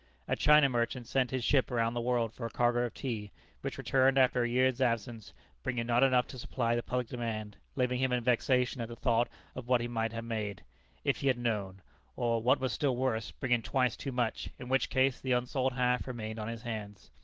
A China merchant sent his ship round the world for a cargo of tea, which returned after a year's absence, bringing not enough to supply the public demand, leaving him in vexation at the thought of what he might have made, "if he had known," or, what was still worse, bringing twice too much, in which case the unsold half remained on his hands.